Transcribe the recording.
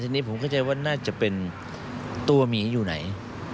ทีนี้ผมเข้าใจว่าน่าจะเป็นตัวหมีอยู่ไหน